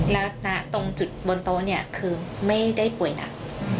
แล้วณตรงจุดบนโต๊ะเนี่ยคือไม่ได้ป่วยหนัก